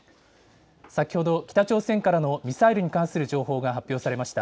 先ほど北朝鮮からのミサイルに関する情報が発表されました。